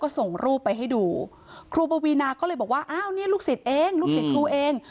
ออนี่ลูกสิทธิ์เองลูกสิทธิ์ครูเอง